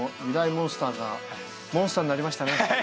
モンスターがモンスターになりましたね。